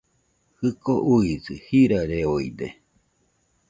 Jɨko uisɨ jirareoide